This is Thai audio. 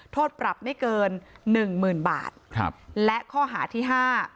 โทษปรับไม่เกินหนึ่งหมื่นบาทครับและข้อหาที่ห้า